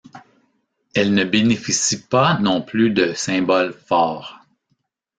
Elles ne bénéficient pas non plus de symboles forts.